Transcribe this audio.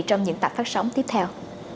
trong những tập phát sóng tiếp theo